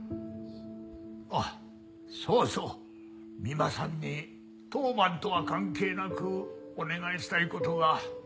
あっそうそう三馬さんに当番とは関係なくお願いしたい事があるんですが。